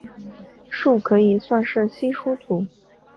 树可以算是稀疏图。